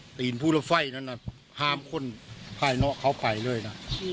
ศพภูเหล็กไฟฮามคุณพายน๊อเค้าไปเลยนะ